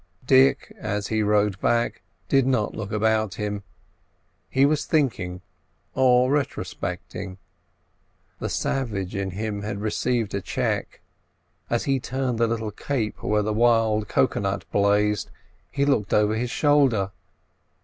Dick, as he rowed back, did not look about him: he was thinking or retrospecting. The savage in him had received a check. As he turned the little cape where the wild cocoa nut blazed, he looked over his shoulder.